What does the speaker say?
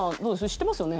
知ってますよね？